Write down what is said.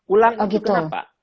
ulang itu kenapa